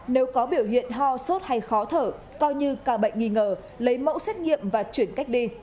nếu có biểu hiện ho sốt hay khó thở coi như ca bệnh nghi ngờ lấy mẫu xét nghiệm và chuyển cách ly